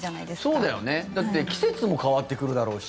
そうだよね、だって季節も変わってくるだろうし。